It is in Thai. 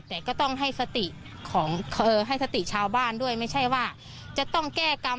แต่ก็ต้องให้สติของให้สติชาวบ้านด้วยไม่ใช่ว่าจะต้องแก้กรรม